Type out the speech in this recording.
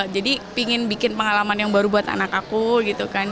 jadi pengen bikin pengalaman yang baru buat anak aku gitu kan